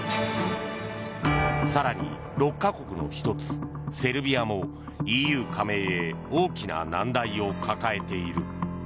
更に６か国の１つ、セルビアもＥＵ加盟へ大きな難題を抱えている。